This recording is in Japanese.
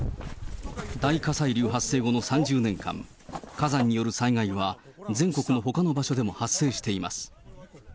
大火砕流発生後の３０年間、火山による災害は全国のほかの場所でも発生しています。